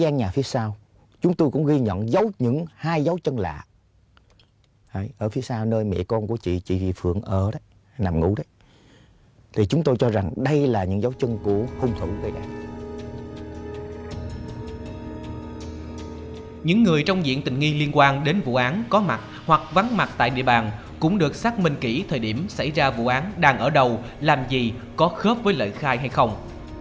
những người trong diện tình nghi liên quan đến vụ án có mặt hoặc vắng mặt tại địa bàn cũng được xác minh kỹ thời điểm xảy ra vụ án đang ở đầu làm gì có khớp cùng lợi khai hay không